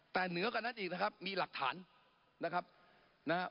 แต่เหนือกว่านั้นอีกนะครับมีหลักฐานนะครับนะฮะ